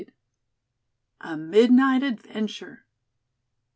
A MIDNIGHT ADVENTURE.